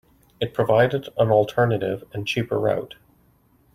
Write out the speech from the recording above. It provided an alternative and cheaper route.